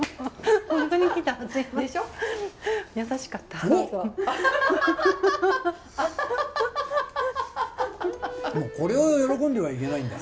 でもこれを喜んではいけないんだ。